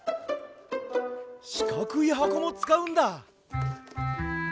しかくいはこもつかうんだ。